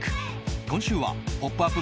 今週は「ポップＵＰ！」